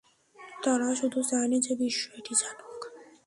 তারা শুধু চায়নি যে বিশ্ব এটি জানুক।